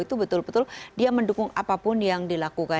itu betul betul dia mendukung apapun yang dilakukan